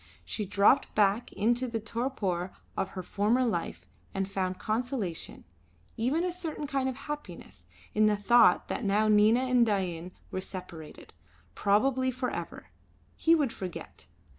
She dropped back into the torpor of her former life and found consolation even a certain kind of happiness in the thought that now Nina and Dain were separated, probably for ever. He would forget.